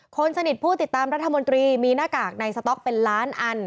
คนสนิทผู้ติดตามรัฐมนตรีมีหน้ากากในสต๊อกเป็นล้านอัน